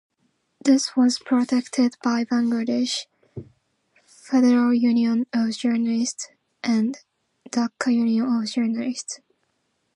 This was protested by Bangladesh Federal Union of Journalists and Dhaka Union of Journalists.